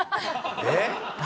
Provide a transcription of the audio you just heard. えっ？